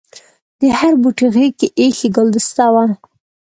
د هر بوټي غېږ کې ایښي ګلدسته وه.